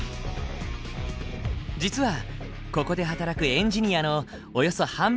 実はここで働くエンジニアのおよそ半分は外国生まれ。